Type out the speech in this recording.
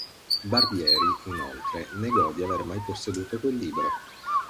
Barbieri inoltre negò di aver mai posseduto quel libro.